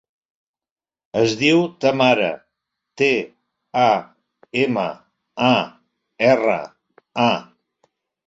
Es diu Tamara: te, a, ema, a, erra, a.